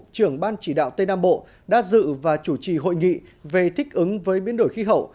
trưởng ban chỉ đạo tây nam bộ đã dự và chủ trì hội nghị về thích ứng với biến đổi khí hậu